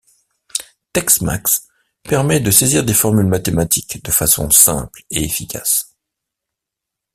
TeXmacs permet de saisir des formules mathématiques de façon simple et efficace.